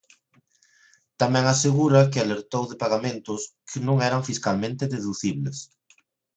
Tamén asegura que alertou de pagamentos que non eran fiscalmente deducibles.